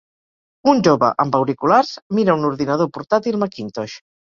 Un jove amb auriculars mira un ordinador portàtil Macintosh.